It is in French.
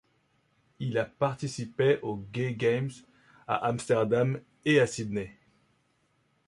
Il a participé aux Gay Games à Amsterdam et à Sydney.